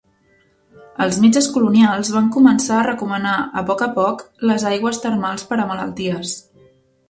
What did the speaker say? Els metges colonials van començar a recomanar a poc a poc les aigües termals per a malalties.